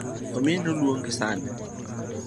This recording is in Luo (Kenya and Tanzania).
Ominu luongi sani.